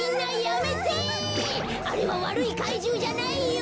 あれはわるいかいじゅうじゃないよ。